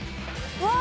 うわ！